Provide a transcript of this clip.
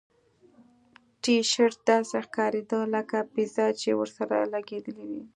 ټي شرټ داسې ښکاریده لکه پیزا چې ورسره لګیدلې وي